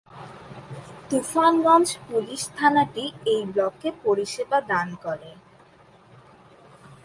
Tufanganj police থানাটি এই ব্লকে পরিষেবা দান করে।